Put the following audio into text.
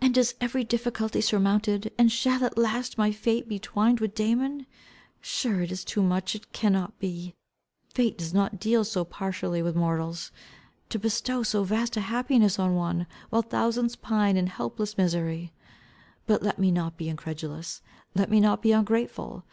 "And is every difficulty surmounted, and shall at last my fate be twined with Damon's? Sure, it is too much, it cannot be! Fate does not deal so partially with mortals. To bestow so vast a happiness on one, while thousands pine in helpless misery. But let me not be incredulous. Let me not be ungrateful.